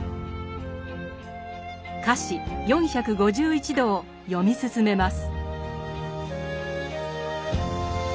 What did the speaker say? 「華氏４５１度」を読み進めます。